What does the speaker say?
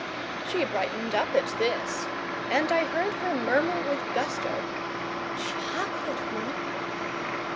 She brightened up at this, and I heard her murmur with gusto, "Chocolate room!"